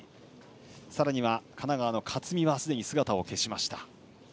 さらには、神奈川の勝見はすでに姿を消しました。